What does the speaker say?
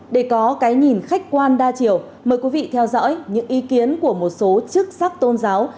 để có cái nhìn khách quan đa chiều mời quý vị theo dõi những ý kiến của một số chức sắc tôn giáo